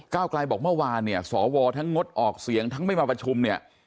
กลายบอกเมื่อวานเนี่ยสวทั้งงดออกเสียงทั้งไม่มาประชุมเนี่ย